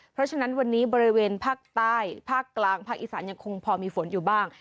เพราะฉะนั้นวันนี้บริเวณภาคใต้ภาคกลางภาคอีสานยังคงพอมีฝนอยู่บ้าง